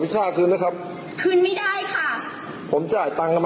ในอรกนรกเอาเวอร์จีปล่อยเป็นพี่ยังไม่จัดเงินให้ผม